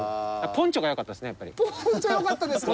ポンチョよかったですか？